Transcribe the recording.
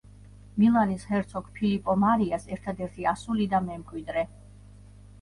მილანის ჰერცოგ ფილიპო მარიას ერთადერთი ასული და მემკვიდრე.